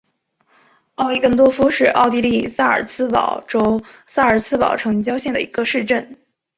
奥伊根多夫是奥地利萨尔茨堡州萨尔茨堡城郊县的一个市镇。